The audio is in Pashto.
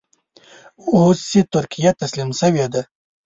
اوس چې ترکیه تسلیم شوې ده.